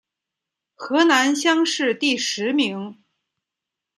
河南乡试第十名。